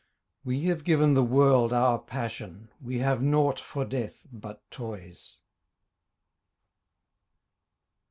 We have given the world our passion We have naught for death but toys.